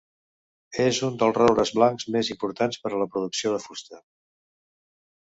És un dels roures blancs més importants per a la producció de fusta.